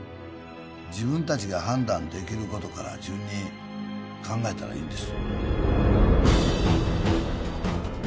自分達が判断できることから順に考えたらいいんです